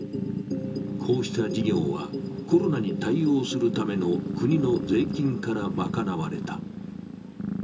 こうした事業は、コロナに対応するための国の税金から賄われた。